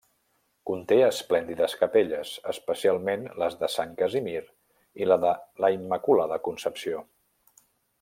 Conté esplèndides capelles, especialment les de sant Casimir i la de la Immaculada Concepció.